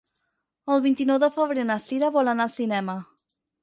El vint-i-nou de febrer na Sira vol anar al cinema.